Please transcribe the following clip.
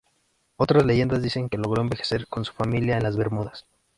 Otras leyendas dicen que logró envejecer con su familia en las Bermudas.